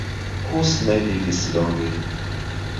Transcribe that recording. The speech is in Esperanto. Hus ne vivis longe.